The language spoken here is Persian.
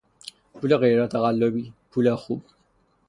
پول غیر تقلبی، پول خوب